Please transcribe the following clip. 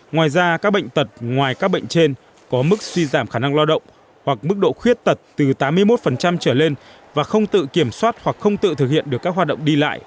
ngoài ra các bệnh tật ngoài các bệnh trên có mức suy giảm khả năng lao động hoặc mức độ khuyết tật từ tám mươi một trở lên và không tự kiểm soát hoặc không tự thực hiện được các hoạt động đi lại